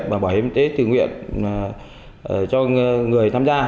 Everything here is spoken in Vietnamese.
và bảo hiểm y tế tự nguyện cho người tham gia